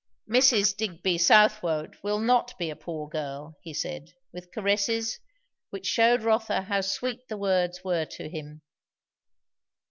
"Mrs. Digby Southwode will not be a poor girl," he said, with caresses which shewed Rotha how sweet the words were to him.